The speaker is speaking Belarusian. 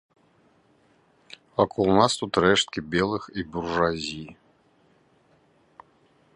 Вакол нас тут рэшткі белых і буржуазіі.